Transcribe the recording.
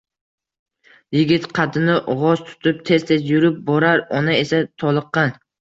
Yigit qaddini g’oz tutib tez-tez yurib borar, ona esa toliqqan